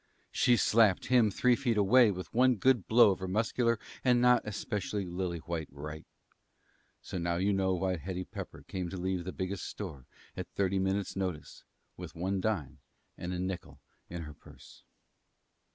She slapped him three feet away with one good blow of her muscular and not especially lily white right. So, now you know why Hetty Pepper came to leave the Biggest Store at thirty minutes' notice, with one dime and a nickel in her purse.